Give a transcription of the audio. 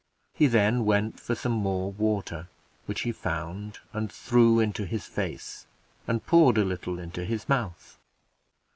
He then went for some more water, which he found and threw into his face, and poured a little into his mouth.